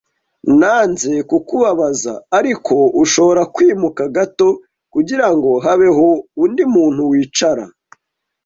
Nanze kukubabaza, ariko ushobora kwimuka gato kugirango habeho undi muntu wicara?